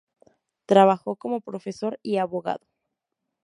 Trabajó como profesor y abogado.